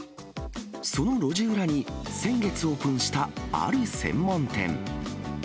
その路地裏に、先月オープンした、ある専門店。